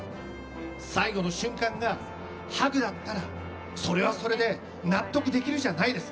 最後の瞬間がハグだったらそれはそれで納得できるじゃないですか。